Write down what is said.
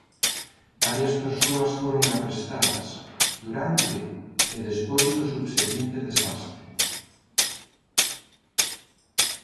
Varias persoas foron arrestadas durante e despois do subseguinte desastre.